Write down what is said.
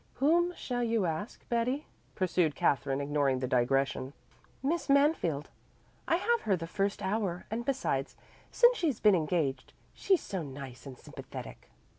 "Whom shall you ask, Betty?" pursued Katherine, ignoring the digression. "Miss Mansfield. I have her the first hour, and besides, since she's been engaged she's so nice and sympathetic."